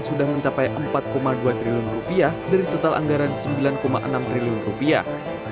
sudah mencapai empat dua triliun rupiah dari total anggaran sembilan enam triliun rupiah